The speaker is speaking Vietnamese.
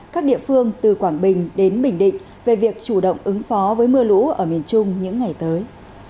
các địa phương từ quảng bình đến bình định về việc chủ động ứng phó với mưa lũ ở miền trung những ngày tới